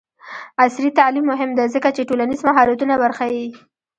عصري تعلیم مهم دی ځکه چې ټولنیز مهارتونه ورښيي.